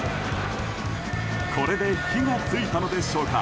これで火が付いたのでしょうか。